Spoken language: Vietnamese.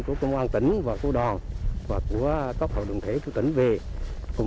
của công an tỉnh quảng ngãi không chỉ là trách nhiệm